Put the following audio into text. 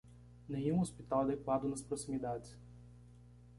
Nenhum hospital adequado nas proximidades